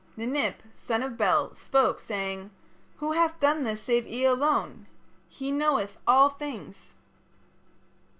"Ninip, son of Bel, spoke, saying: 'Who hath done this save Ea alone? He knoweth all things.'